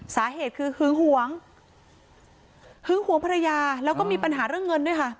สาเหตุคือหึงหวงหึงหวงภรรยาแล้วก็มีปัญหาเรื่องเงินด้วยค่ะ